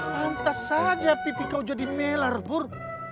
pantas saja pipi kau jadi melar pur